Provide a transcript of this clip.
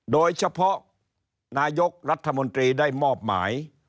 โดยเฉพาะนายกรัฐมนตรีได้มอบหมาย